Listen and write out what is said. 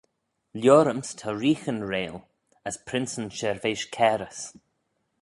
Lioryms ta reeaghyn reill, as princeyn shirveish cairys.